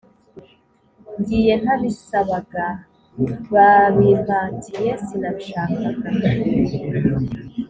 ngiye ntabisabaga babimpatiye sinabishakaga